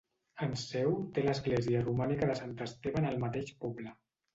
Enseu té l'església romànica de Sant Esteve en el mateix poble.